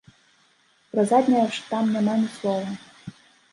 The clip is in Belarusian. Пра заднія ж там няма ні слова.